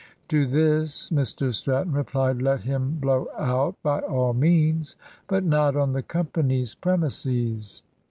To this Mr Stratton replied, "Let him `blow out' by all means, but not on the company's premises.